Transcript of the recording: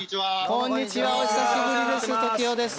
こんにちはお久しぶりです